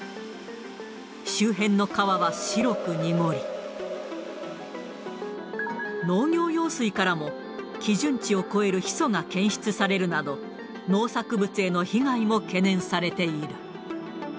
周辺の川は白く濁り、農業用水からも基準値を超えるヒ素が検出されるなど、農作物への被害も懸念されている。